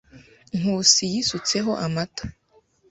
Nkusi yisutseho amata.